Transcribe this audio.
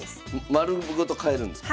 丸ごと替えるんですか？